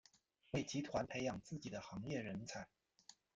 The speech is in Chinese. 为集团培养自己的行业人才。